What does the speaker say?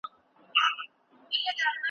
ایا نوي کروندګر کاغذي بادام صادروي؟